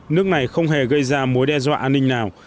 nước này không hề gây ra mối đe dọa an ninh nào